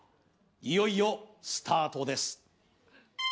いよいよスタートです